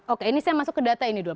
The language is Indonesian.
oke ini saya masuk ke data ini dulu